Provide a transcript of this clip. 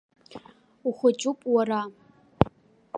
Ухәыҷуп уара.